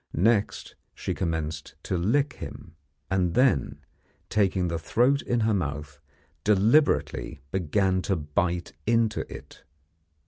Next she commenced to lick him, and then, taking the throat in her mouth, deliberately began to bite into it!